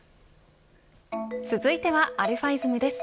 続いてはαｉｓｍです。